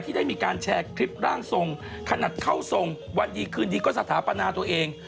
ได้มีการแชร์คลิปร่างทรงขนาดเข้าทรงวันดีคืนดีก็สถาปนาตัวเอง